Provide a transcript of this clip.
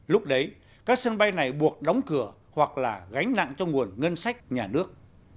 lúc đấy các sân bay này buộc đóng cửa hoặc là gánh nặng cho nguồn ngân sách nhà nước